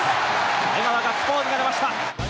江川、ガッツポーズが出ました！